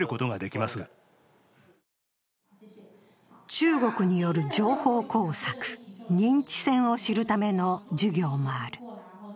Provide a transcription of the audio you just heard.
中国による情報工作＝認知戦を知るための授業もある。